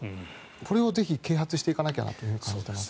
これを啓発していかなきゃと思います。